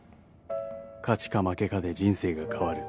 ［勝ちか負けかで人生が変わる］